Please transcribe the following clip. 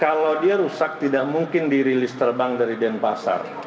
kalau dia rusak tidak mungkin dirilis terbang dari denpasar